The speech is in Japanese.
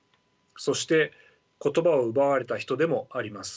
そして言葉を奪われた人でもあります。